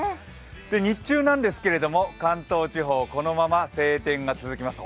日中なんですけれども関東地方、このまま晴天が続きます。